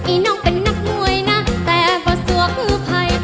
น้องเป็นนักมวยนะแต่พอสัวกู้ภัย